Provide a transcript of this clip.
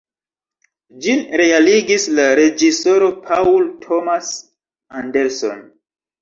Ĝin realigis la reĝisoro Paul Thomas Anderson.